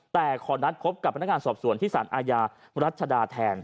แต่ขอนัดพบกับพนักงานสอบสวนที่สารอาญารัชดาแทน